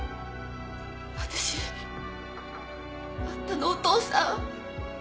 私あんたのお父さん。